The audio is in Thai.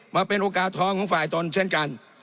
มาเป็นโอกาสทองของฝ่ายตนเช่นกัน